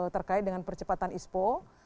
terkait dengan percepatan ispo